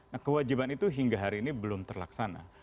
nah kewajiban itu hingga hari ini belum terlaksana